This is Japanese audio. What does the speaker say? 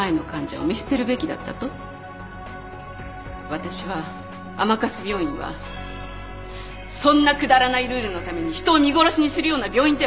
私は甘春病院はそんなくだらないルールのために人を見殺しにするような病院ではありません！